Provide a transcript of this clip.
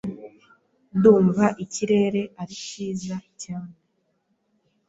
Ndumva ikirere ari cyiza cyane.